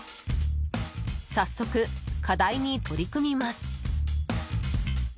早速、課題に取り組みます。